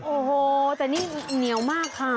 โอ้โหแต่นี่เหนียวมากค่ะ